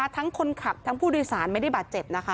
ทั้งคนขับทั้งผู้โดยสารไม่ได้บาดเจ็บนะคะ